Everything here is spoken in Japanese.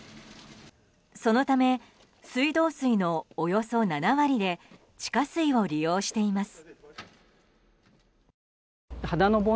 そのため水道水のおよそ７割で地下水を利用しています。